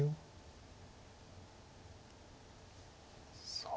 さあ。